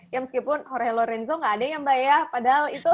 ya meskipun jorge lorenzo nggak ada ya mbak ya padahal itu